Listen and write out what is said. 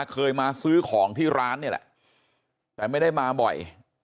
เคยมาซื้อของที่ร้านนี่แหละแต่ไม่ได้มาบ่อย